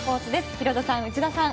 ヒロドさん、内田さん